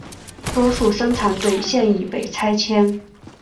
多数生产队现已被拆迁。